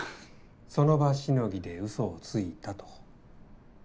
その場しのぎで嘘をついたと。